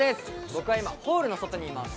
僕は今、ホールの外にいます。